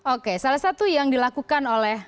oke salah satu yang dilakukan oleh